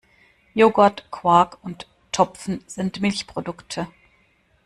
Joghurt, Quark und Topfen sind Milchprodukte.